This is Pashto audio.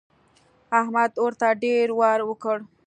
احمد ورته ډېر وار وکړ.